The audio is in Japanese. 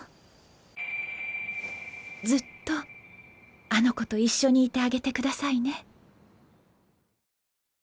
ずっとあの子と一緒にいてあげてくださいね